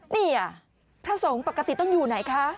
นี่พระสงฆ์ปกติต้องอยู่ไหนคะ